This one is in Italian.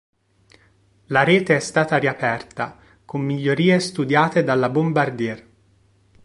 La rete è stata riaperta con migliorie studiate dalla Bombardier.